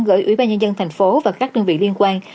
gửi ủy ban nhân dân tp hcm và các đơn vị liên quan